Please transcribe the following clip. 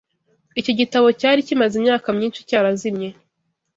Icyo gitabo cyari kimaze imyaka myinshi cyarazimiye